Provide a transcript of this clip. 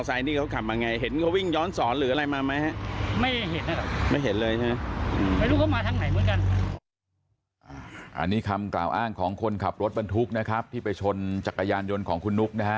อันนี้คำกล่าวอ้างของคนขับรถบรรทุกนะครับที่ไปชนจักรยานยนต์ของคุณนุ๊กนะฮะ